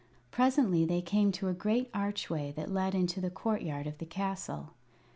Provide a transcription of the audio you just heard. Presently they came to a great archway that led into the courtyard of the castle.